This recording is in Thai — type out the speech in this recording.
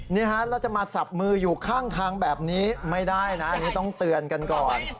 แล้วจะมาสับมืออยู่ข้างแบบนี้ไม่ได้นะต้องเตือนกันก่อน